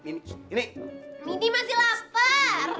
mini masih lapar